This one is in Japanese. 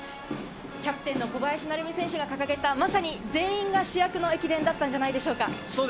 キャプテンの小林成美選手が掲げた、全員が主役の駅伝だったんじゃないでしょうか？